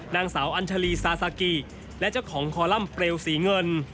นางสาวอัญชาลีซาซากิและเจ้าของคอลัมป์เปลวสีเงิน